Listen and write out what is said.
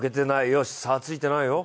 よし、差ついてないよ。